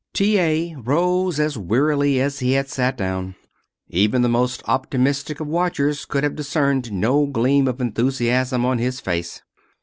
T. A. rose as wearily as he had sat down. Even the most optimistic of watchers could have discerned no gleam of enthusiasm on his face.